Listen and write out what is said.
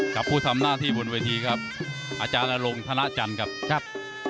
กับผู้ทำหน้าที่บนวิธีครับอาจารย์อารมณ์ธนาจันครับ